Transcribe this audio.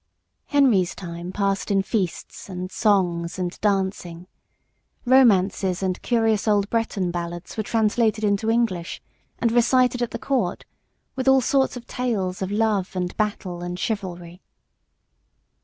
Henry's time passed in feasts and songs and dancing. Romances and curious old Breton ballads were translated into English, and recited at the Court with all sorts of tales of love and battle and chivalry.